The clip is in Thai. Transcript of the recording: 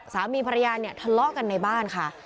สามีภรรยาเนี่ยทะเลาะกันในบ้านค่ะ